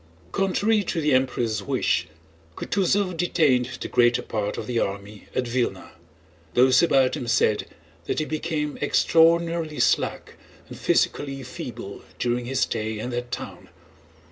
Contrary to the Emperor's wish Kutúzov detained the greater part of the army at Vílna. Those about him said that he became extraordinarily slack and physically feeble during his stay in that town.